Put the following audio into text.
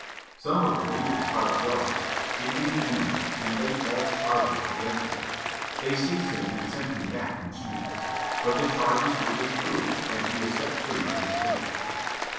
Some of the leaders, out of jealousy, became enemies, and laid false charges against him. They seized him and sent him back in chains. But the charges were disproved, and he was set free in Spain.